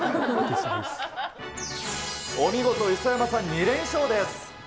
お見事、磯山さん２連勝です。